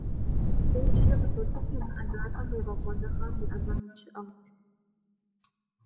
Мы попрежнему считаем, что в этой области есть возможности для улучшения.